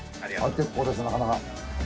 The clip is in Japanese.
結構です、なかなか。